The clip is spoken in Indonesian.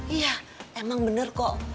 iya emang bener kok